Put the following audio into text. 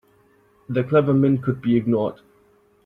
The clever men could be ignored.